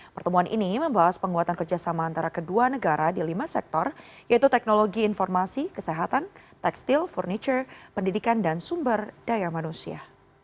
pertemuan ini membahas penguatan kerjasama antara kedua negara di lima sektor yaitu teknologi informasi kesehatan tekstil furniture pendidikan dan sumber daya manusia